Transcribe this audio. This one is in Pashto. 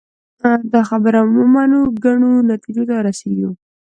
دا خبره ومنو ګڼو نتیجو ته رسېږو